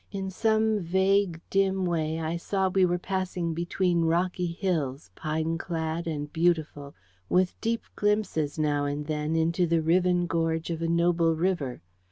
In some vague dim way I saw we were passing between rocky hills, pine clad and beautiful, with deep glimpses now and then into the riven gorge of a noble river.